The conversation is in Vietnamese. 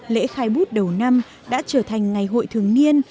lễ khai bút đầu năm đã trở thành ngày hội thường niên